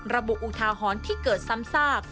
ระบุอุทาหอนที่เกิดซ้ำซาก